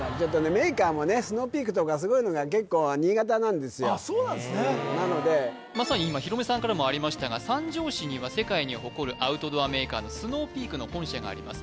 メーカーもねスノーピークとかすごいのが結構新潟なんですよあっそうなんですねなのでまさに今ヒロミさんからもありましたが三条市には世界に誇るアウトドアメーカーのスノーピークの本社があります